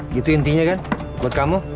gitu intinya kan buat kamu